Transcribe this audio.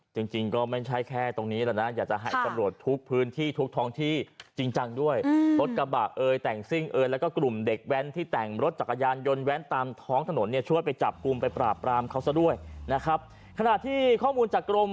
จริงจริงก็ไม่ใช่แค่ตรงนี้แหละนะอยากจะให้ตำรวจทุกพื้นที่ทุกท้องที่จริงจังด้วยรถกระบะเอ่ยแต่งซิ่งเอยแล้วก็กลุ่มเด็กแว้นที่แต่งรถจักรยานยนต์แว้นตามท้องถนนเนี่ยช่วยไปจับกลุ่มไปปราบปรามเขาซะด้วยนะครับขณะที่ข้อมูลจากกรม